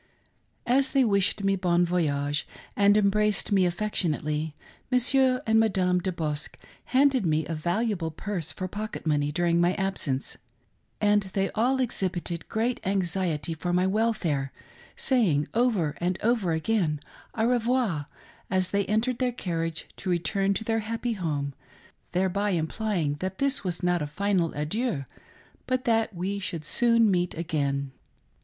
As they wished me " bon voyage " and embraced me affectionately, Mons. De Bosque handed me a valuable purse for pocket money during my absence, and they all exhibited great anxiety for my welfare, saying over and over again au revoir, as they entered their carriage to return to their happy home ;— thereby implying that this was not a final adieu, but that we should soon meet again.